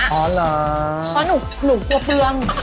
เพราะหนูกลัวเพลิง